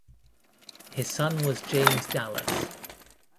His son was James Dallas.